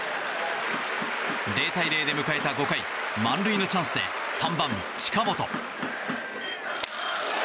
０対０で迎えた５回満塁のチャンスで３番、近本。